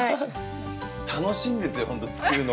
楽しいんですよ本当作るのが。